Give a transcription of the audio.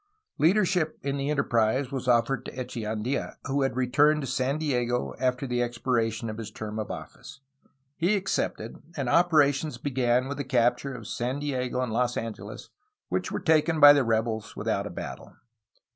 Leadership in the enterprise was offered to Echeandia, who had returned to San Diego after the expiration of his term of office. He accepted, and opera tions began with the capture of San Diego and Los Angeles, which were taken by the rebels without a battle.